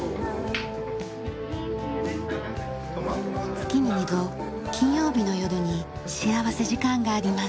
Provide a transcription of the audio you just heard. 月に２度金曜日の夜に幸福時間があります。